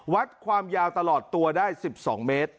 วัดความยาวตลอดตัวได้๑๒เมตร